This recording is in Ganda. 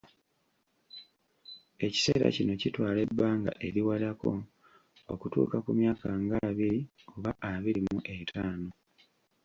Ekiseera kino kitwala ebbanga eriwerako okutuuka ku myaka nga abiri oba abiri mu etaano.